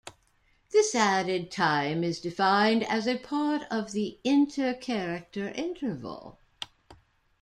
This added time is defined as a part of the intercharacter interval.